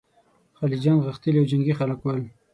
خلجیان غښتلي او جنګي خلک ول.